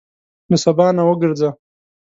له سبا نه وګرځه.